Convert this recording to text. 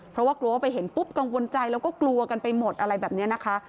เพราะว่ากลัวว่าไปเห็นปุ๊บกังวลใจแล้วก็กลัวกันไปหมดอะไรแบบนี้นะคะ